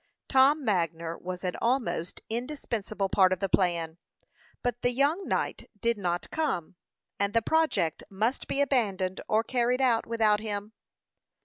Tom Magner was an almost indispensable part of the plan; but the young knight did not come, and the project must be abandoned or carried out without him.